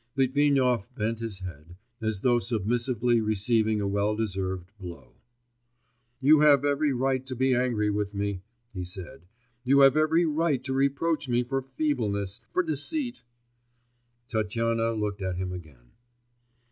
Litvinov bent his head, as though submissively receiving a well deserved blow. 'You have every right to be angry with me,' he said. 'You have every right to reproach me for feebleness ... for deceit.' Tatyana looked at him again.